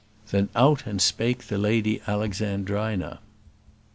Then out and spake the Lady Alexandrina.